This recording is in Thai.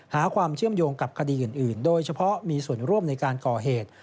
หาความเชื่อมโยงกับคดีอื่นโดยเฉพาะมีส่วนร่วมในการก่อเหตุ